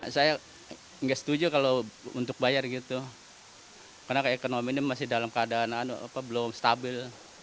saya tidak setuju untuk bayar karena ekonomi ini masih dalam keadaan belum stabil